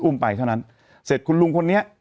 ไปเท่านั้นเสร็จคุณลุงคนนี้